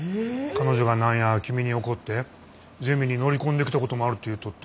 彼女が何や君に怒ってゼミに乗り込んできたこともあるって言うとった。